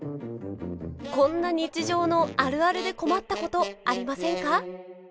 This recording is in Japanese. こんな日常のあるあるで困ったことありませんか？